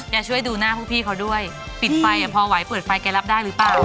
ช่วยดูหน้าพวกพี่เขาด้วยปิดไฟพอไหวเปิดไฟแกรับได้หรือเปล่า